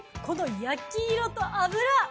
この焼き色と脂。